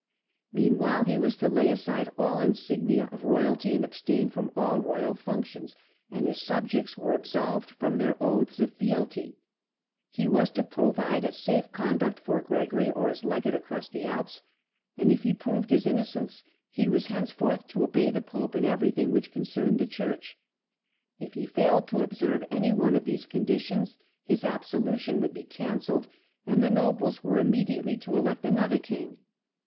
Meanwhile he was to lay aside all insignia of royalty, and abstain from all royal functions, and his subjects were absolved from their oaths of fealty ; he was to provide a safe conduct for Gregory, or his legate, across the Alps, and if he proved his innocence he was henceforth to obey the pope in every thing which concerned the Churdi. If he failed to observe anyone of these conditions his absolution would be cancelled and the nobles were immediately to elect another king.